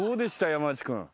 山内君。